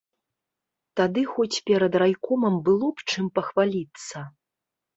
Тады хоць перад райкомам было б чым пахваліцца.